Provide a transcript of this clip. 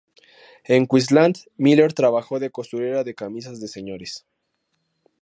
En Queensland, Miller trabajó de costurera de camisas de señores.